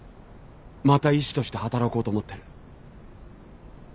また医師として働こうと思ってる。